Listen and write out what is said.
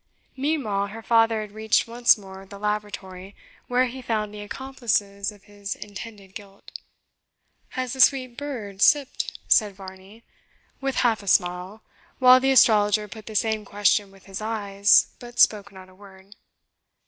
Meanwhile her father had reached once more the laboratory, where he found the accomplices of his intended guilt. "Has the sweet bird sipped?" said Varney, with half a smile; while the astrologer put the same question with his eyes, but spoke not a word.